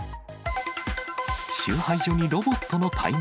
集配所にロボットの大群。